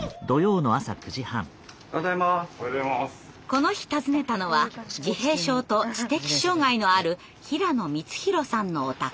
この日訪ねたのは自閉症と知的障害のある平野光宏さんのお宅。